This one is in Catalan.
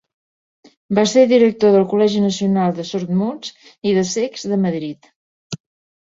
Va ser director del col·legi nacional de sordmuts i de cecs de Madrid.